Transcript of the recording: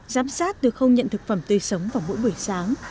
giám sát được không nhận thực phẩm tươi sống vào mỗi buổi sáng